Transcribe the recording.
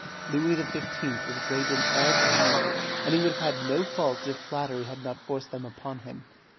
Louis XV. was great in all things, and he would have had no faults if flattery had not forced them upon him.